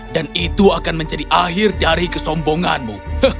dan itu akan menjadi akhir dari kesombonganmu